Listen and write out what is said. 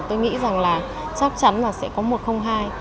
tôi nghĩ rằng là chắc chắn là sẽ có một không hai